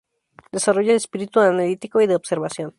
Desarrolla el espíritu analítico y de observación.